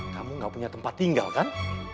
kamu gak punya tempat tinggal kan